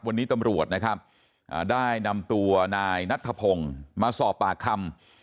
วันนี้ตำรวจนะครับได้นำตัวนายนัทธพงศ์มาสอบปากคำ